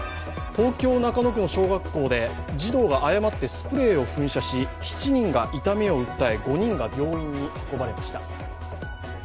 東京・中野区の小学校で児童が誤ってスプレーを噴射し、７人が痛みを訴え、５人が病院に運ばれました。